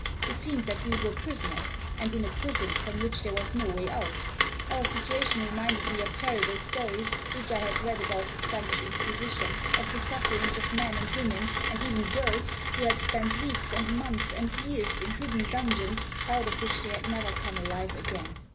It seemed that we were prisoners, and in a prison from which there was no way out Our situation reminded me of terrible stories which I had read about the Spanish Inquisition ; of the sufferings of men and women, and even girls, who had spent weeks, and months, and years, in hidden dun geons out of which they had never come alive again.